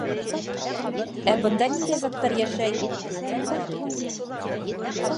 — Ә бында ниндәй заттар йәшәй? —тип һораны ул.